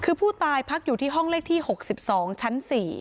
คือผู้ตายพักอยู่ที่ห้องเลขที่๖๒ชั้น๔